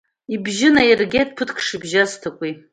Ибжьы наиргеит ԥыҭк шыбжьаз Ҭакәи.